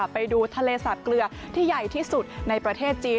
ไปดูทะเลสาบเกลือที่ใหญ่ที่สุดในประเทศจีน